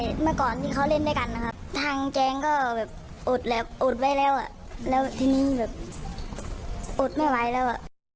ใช่เมื่อก่อนที่เขาเล่นด้วยกันนะครับทางแจงก็แบบอดไปแล้วแล้วทีนี้แบบอดไม่ไหวแล้ว